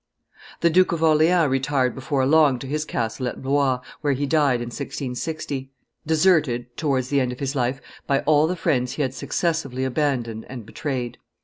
The Duke of Orleans retired before long to his castle at Blois, where he died in 1660; deserted, towards the end of his life, by all the friends he had successively abandoned and betrayed.